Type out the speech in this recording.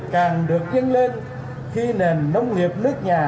càng được nhân lên khi nền nông nghiệp nước nhà